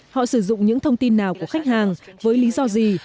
họ sử dụng những thông tin nào của khách hàng với lý do gì